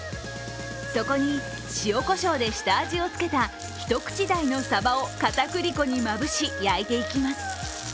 そこに塩こしょうで下味をつけた、一口大のサバをかたくり粉にまぶし焼いていきます。